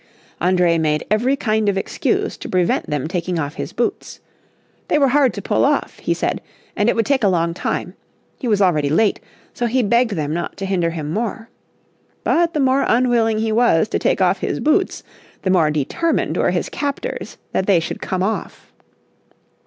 André made every kind of excuse to prevent them taking off his boots. They were hard to pull off, he said, and it would take a long time. He was already late, so he begged them not to hinder him more. But the more unwilling he was to take off his boots, the more determined were his captors that they should come off.